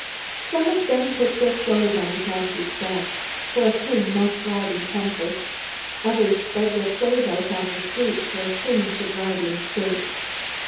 Some of them put their clothes on the donkey's back, for a king must ride in comfort. Others spread their clothes out on the street, for a king should ride in state.